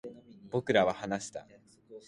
僕らは話した